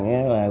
có thể nói rằng